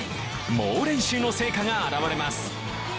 猛練習の成果が表れます。